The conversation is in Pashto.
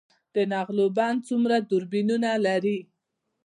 د نغلو بند څومره توربینونه لري؟